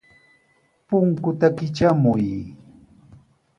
Punkuta kitramuy.